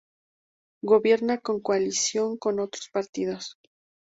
Gobierna en coalición con otros partidos.